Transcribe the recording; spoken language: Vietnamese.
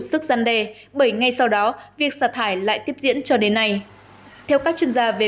sức gian đề bởi ngay sau đó việc xả thải lại tiếp diễn cho đến nay theo các chuyên gia về